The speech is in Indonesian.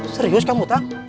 serius kamu tak